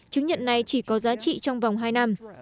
chứng nhận này chỉ có giá trị trong vòng hai năm